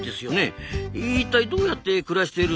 一体どうやって暮らしてるんですか？